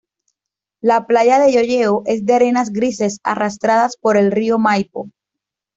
La playa de Llolleo es de arenas grises arrastradas por el río Maipo.